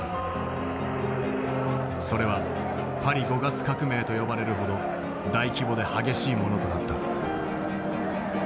それはパリ５月革命と呼ばれるほど大規模で激しいものとなった。